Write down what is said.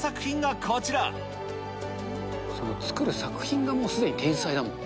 作る作品がもうすでに天才だもん。